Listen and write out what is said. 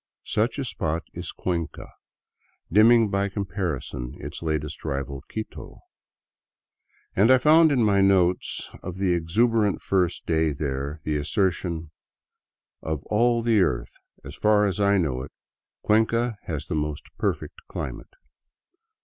Such a spot is Cuenca, dimming by comparison its latest rival, Quito, and I find in my notes of the exuberant first day there the assertion : ''Of all the earth, as far as 1 know it, Cuenca has the most perfect climate."